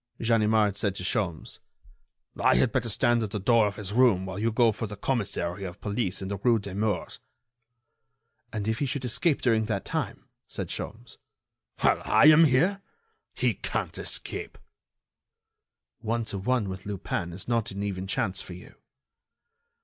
Ganimard said to Sholmes: "I had better stand at the door of his room while you go for the commissary of police in the rue Demours." "And if he should escape during that time?" said Sholmes. "While I am here! He can't escape." "One to one, with Lupin, is not an even chance for you."